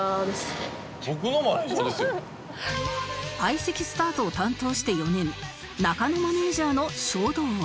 相席スタートを担当して４年中野マネージャーの衝動は